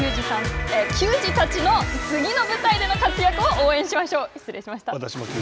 球児たちの次の舞台での活躍を応援しましょう！